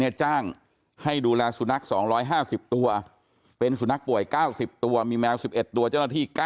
จ้างให้ดูแลสุนัข๒๕๐ตัวเป็นสุนัขป่วย๙๐ตัวมีแมว๑๑ตัวเจ้าหน้าที่๙